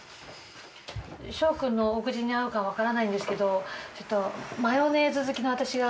翔くんのお口に合うかはわからないんですけどちょっとマヨネーズ好きの私が。